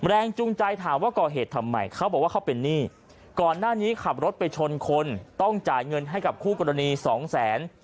แรงจูงใจถามว่าก่อเหตุทำไมเขาบอกว่าเขาเป็นหนี้ก่อนหน้านี้ขับรถไปชนคนต้องจ่ายเงินให้กับคู่กรณีสองแสน